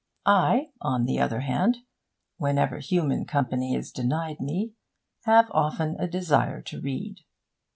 I, on the other hand, whenever human company is denied me, have often a desire to read.